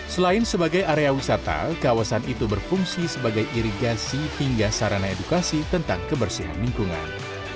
selain sebagai area wisata kawasan itu berfungsi sebagai irigasi hingga sarana edukasi tentang kebersihan lingkungan